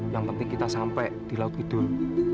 yang penting kita sampai di laut idul